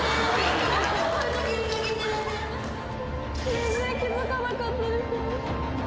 全然気付かなかったです。